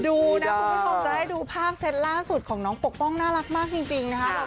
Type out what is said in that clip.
ดูนะคุณผู้ชมจะได้ดูภาพเซตล่าสุดของน้องปกป้องน่ารักมากจริงนะคะ